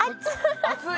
熱い！